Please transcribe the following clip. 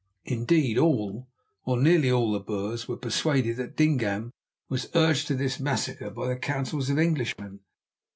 Indeed, all, or nearly all the Boers were persuaded that Dingaan was urged to this massacre by the counsels of Englishmen.